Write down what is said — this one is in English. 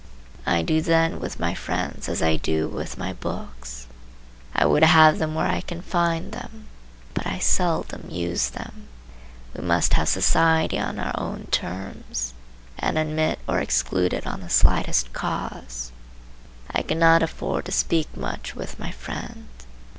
I do then with my friends as I do with my books. I would have them where I can find them, but I seldom use them. We must have society on our own terms, and admit or exclude it on the slightest cause. I cannot afford to speak much with my friend.